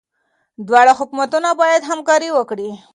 دواړه حکومتونه باید همکاري وکړي.